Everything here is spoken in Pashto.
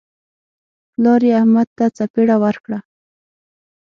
پلار یې احمد ته څپېړه ورکړه.